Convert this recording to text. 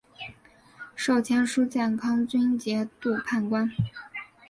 授签书建康军节度判官。